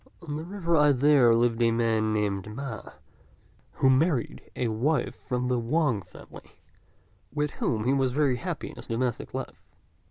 On the river I there lived a man named Ma, who married a wife from the Wang family, with whom he was very happy in his domestic life.